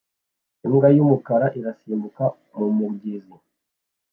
Imbwa y'umukara irasimbuka mu mugezi